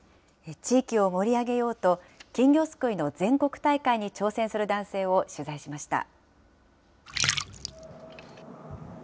地域を盛り上げようと、金魚すくいの全国大会に挑戦する男性を取材しました。